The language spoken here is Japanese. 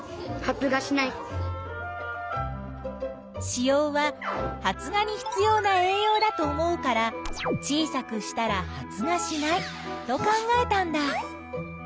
子葉は発芽に必要な栄養だと思うから小さくしたら発芽しないと考えたんだ。